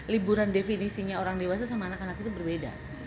liburan definisinya orang dewasa sama anak anak itu berbeda